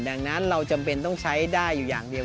ดังนั้นเราจำเป็นต้องใช้ได้อยู่อย่างเดียว